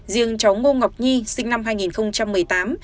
riêng cháu ngô ngọc nhi sinh năm hai nghìn năm